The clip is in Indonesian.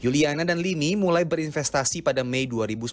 juliana dan lini mulai berinvestasi pada mei dua ribu sembilan belas